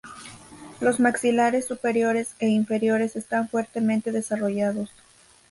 Los maxilares superiores e inferiores están fuertemente desarrollados.